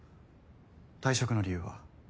退職の理由は？